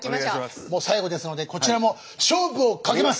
もう最後ですのでこちらも勝負をかけます。